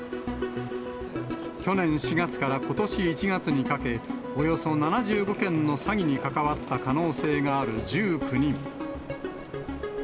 去年４月からことし１月にかけ、およそ７５件の詐欺に関わった可能性がある１９人。